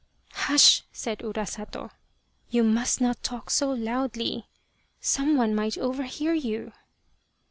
Hush," said Urasato, " you must not talk so loudly some one might overhear you